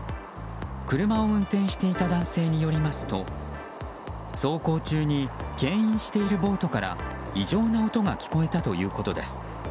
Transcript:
車を運転していた男性によりますと走行中に牽引しているボートから異常な音が聞こえたということです。